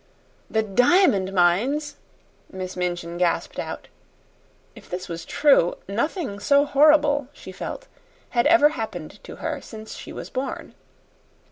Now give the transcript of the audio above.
"The diamond mines!" Miss Minchin gasped out. If this was true, nothing so horrible, she felt, had ever happened to her since she was born.